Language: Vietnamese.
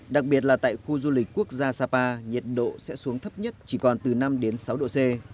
đặc biệt là tại khu du lịch quốc gia sapa nhiệt độ sẽ xuống thấp nhất chỉ còn từ năm sáu độ c